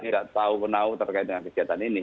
tidak tahu menahu terkait dengan kegiatan ini